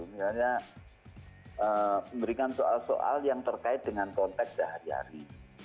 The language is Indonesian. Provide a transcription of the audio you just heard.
misalnya memberikan soal soal yang terkait dengan konteks sehari hari